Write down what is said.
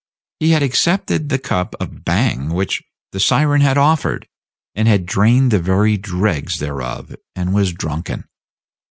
He had accepted the cup of bang which the siren had offered, and had drained the very dregs Page 32 thereof, and was drunken.